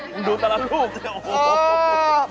มึงดูแต่ละรูป